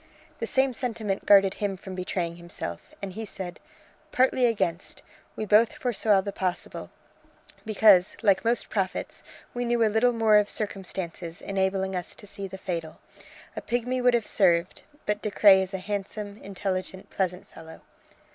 The same sentiment guarded him from betraying himself, and he said: "Partly against. We both foresaw the possible because, like most prophets, we knew a little more of circumstances enabling us to see the fatal. A pigmy would have served, but De Craye is a handsome, intelligent, pleasant fellow."